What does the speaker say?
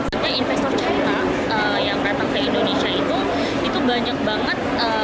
investor china yang datang ke indonesia itu